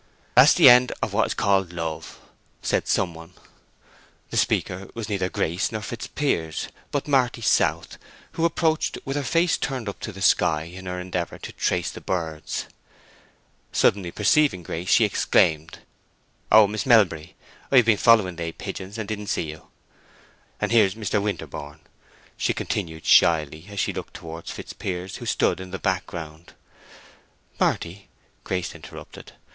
"That's the end of what is called love!" said some one. The speaker was neither Grace nor Fitzpiers, but Marty South, who approached with her face turned up to the sky in her endeavor to trace the birds. Suddenly perceiving Grace, she exclaimed, "Oh, Miss Melbury! I have been following they pigeons, and didn't see you. And here's Mr. Winterborne!" she continued, shyly, as she looked towards Fitzpiers, who stood in the background. "Marty," Grace interrupted.